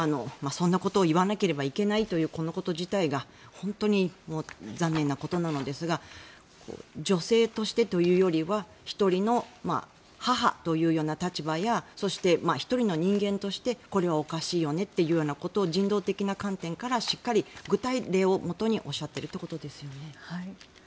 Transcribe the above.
そんなことを言わなければいけないということ自体が本当に残念なことなのですが女性としてというよりは１人の母というような立場やそして、１人の人間としてこれはおかしいよねということを人道的な観点からしっかり具体例をもとにおっしゃっているということですよね。